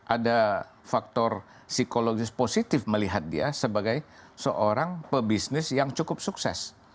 ada faktor psikologis positif melihat dia sebagai seorang pebisnis yang cukup sukses